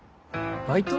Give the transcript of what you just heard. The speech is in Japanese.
「バイト？」